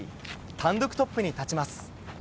単独トップに立ちます。